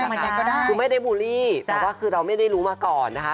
ก็ได้คือไม่ได้บูลลี่แต่ว่าคือเราไม่ได้รู้มาก่อนนะคะ